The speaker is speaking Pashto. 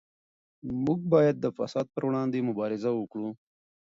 موږ باید د فساد پر وړاندې مبارزه وکړو.